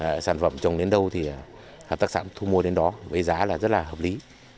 các sản phẩm trồng đến đâu thì hợp tác xã thu mua đến đó với giá là rất là hợp lý